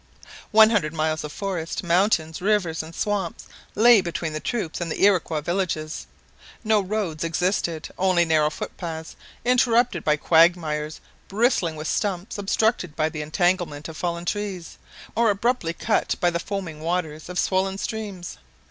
One hundred miles of forest, mountains, rivers, and swamps lay between the troops and the Iroquois villages. No roads existed, only narrow footpaths interrupted by quagmires, bristling with stumps, obstructed by the entanglement of fallen trees, or abruptly cut by the foaming waters of swollen streams.